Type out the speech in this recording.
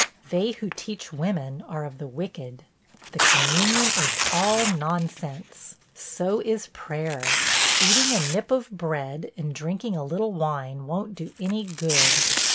They who teach women are of the wicked. The communion is all nonsense; so is prayer. Eating a nip of bread and drinking a little wine won't do any good.